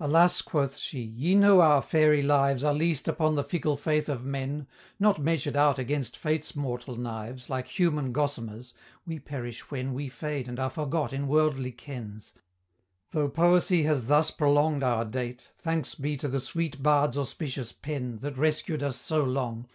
"Alas," quoth she, "ye know our fairy lives Are leased upon the fickle faith of men; Not measured out against Fate's mortal knives, Like human gosamers, we perish when We fade and are forgot in worldly kens Though poesy has thus prolong'd our date, Thanks be to the sweet Bard's auspicious pen That rescued us so long!